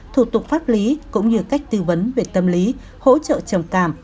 thủ tục pháp lý cũng như cách tư vấn về tâm lý hỗ trợ trầm cảm